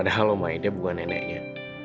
padahal oma aida bukan neneknya